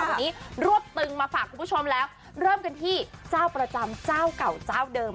วันนี้รวบตึงมาฝากคุณผู้ชมแล้วเริ่มกันที่เจ้าประจำเจ้าเก่าเจ้าเดิม